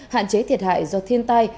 hạn chế thiệt hại do thiên tai